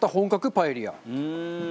パエリア。